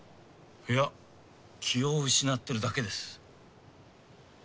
いや気を失ってるだけです。